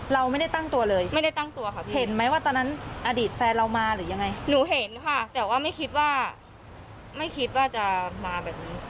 เราไม่ได้ตั้งตัวเลยไม่ได้ตั้งตัวค่ะเห็นไหมว่าตอนนั้นอดีตแฟนเรามาหรือยังไงหนูเห็นค่ะแต่ว่าไม่คิดว่าไม่คิดว่าจะมาแบบนี้